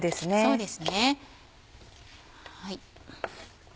そうですね。